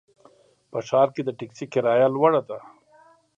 په ښار کې د ټکسي کرایه لوړه ده.